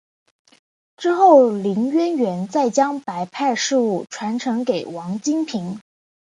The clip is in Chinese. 之后林渊源再将白派事务传承给王金平。